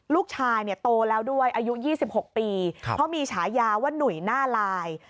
ลูกชายโตแล้วด้วยอายุ๒๖ปีเพราะมีฉายาว่าหนุ่ยหน้าลาย